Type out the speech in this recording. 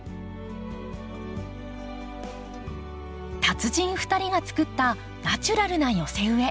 達人２人が作ったナチュラルな寄せ植え。